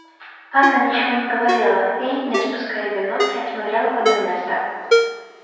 Анна ничего не говорила и, не спуская бинокля, смотрела в одно место.